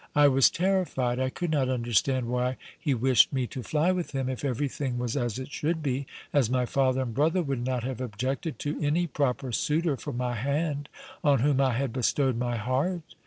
I was terrified. I could not understand why he wished me to fly with him if everything was as it should be, as my father and brother would not have objected to any proper suitor for my hand on whom I had bestowed my heart.